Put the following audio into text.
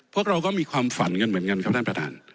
พวกเราก็มีความฝันกันเหมือนกันครับท่านประธาน